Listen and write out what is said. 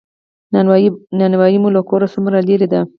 نان بایی مو له کوره څومره لری ده؟